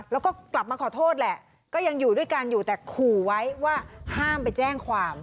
แล้วก็กลับมาขอโทษแหละก็ยังอยู่ด้วยกันอยู่แต่ขู่ไว้ว่าห้ามไปแจ้งความ